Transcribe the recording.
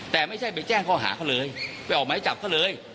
แต่ไม่ใช่ไปแจ้งข้อหาเขาเลยไปออกไม้จับเขาเลย